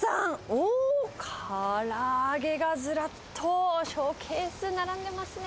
おお、から揚げがずらっとショーケース並んでますね。